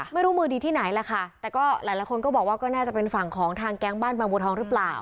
ไม่รู้มือดีที่ไหนแหละค่ะแต่ก็หลายคนก็บอกว่าก็น่าจะเป็นฝั่งของทางแก๊งบ้านบางบัวทองหรือเปล่า